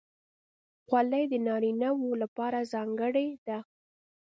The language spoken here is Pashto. خولۍ د نارینه وو لپاره ځانګړې ده.